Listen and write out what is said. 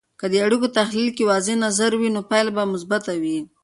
که د اړیکو تحلیل کې واضح نظر وي، نو پایله به مثبته وي.